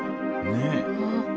ねえ。